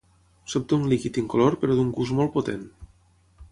S'obté un líquid incolor però d'un gust molt potent.